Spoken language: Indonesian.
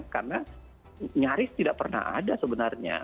karena nyaris tidak pernah ada sebenarnya